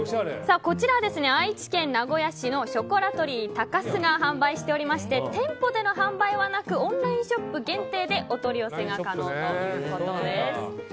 こちら愛知県名古屋市のショコラトリータカスが販売しておりまして店舗での販売はなくオンラインショップ限定でお取り寄せが可能ということです。